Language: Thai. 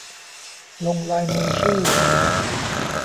ลงลายมือชื่อ